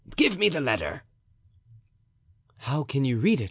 Give me the letter." "How can you read?"